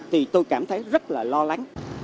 thì tôi cảm thấy rất là lo lắng